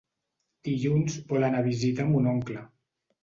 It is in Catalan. Dilluns vol anar a visitar mon oncle.